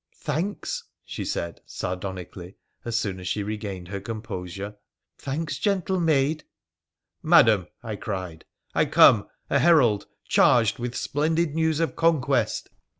' Thanks !' she said sardonically, as soon as she regained her composure. ' Thanks, gentle maid !'' Madam,' I cried, ' I come, a herald, charged with splendid news of conquest